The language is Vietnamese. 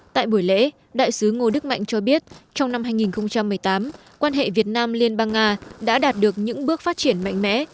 tại buổi lễ đại sứ ngô đức mạnh cho biết trong năm hai nghìn một mươi tám quan hệ việt nam liên bang nga đã đạt được những bước phát triển mạnh mẽ